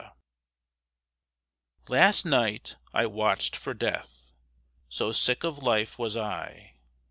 Last night I watched for Death So sick of life was I!